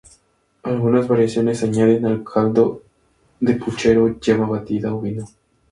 Algunas variaciones añaden al caldo de puchero yema batida o vino.